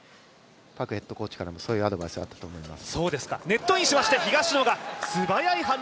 パクヘッドコーチからもそういうアドバイスがあったと思います。